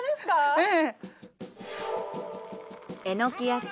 えっ！